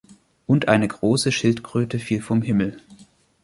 Und eine große Schildkröte fiel vom Himmel.